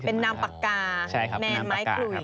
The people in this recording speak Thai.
เป็นนามปากกาแนนไม้ขลุย